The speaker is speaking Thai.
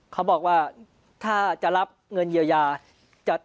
เขาบอกว่าถ้าจะรับเงินเยียวยา